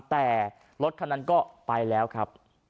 แต่รถคันนั้นก็ไปแล้วครับ